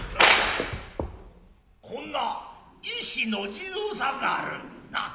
こんな石の地蔵さんがあるなあ。